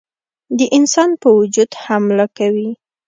د انسان په وجود حمله کوي.